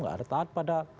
gak ada taat pada